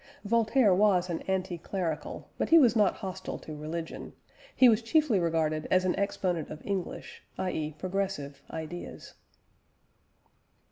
Voltaire was an anti clerical, but he was not hostile to religion; he was chiefly regarded as an exponent of English (i.e. progressive) ideas.